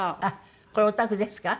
これお宅ですか？